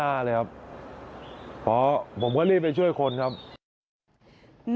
จะรับผิดชอบกับความเสียหายที่เกิดขึ้น